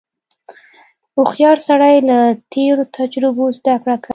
• هوښیار سړی له تېرو تجربو زدهکړه کوي.